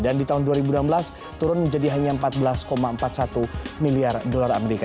dan di tahun dua ribu enam belas turun menjadi hanya empat belas empat puluh satu miliar dolar amerika